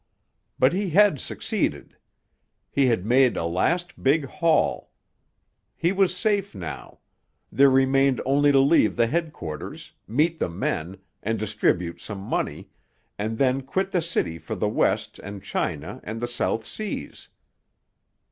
But he had succeeded. He had made a last big haul. He was safe now—there remained only to leave the headquarters, meet the men, and distribute some money, and then quit the city for the West and China and the South Seas.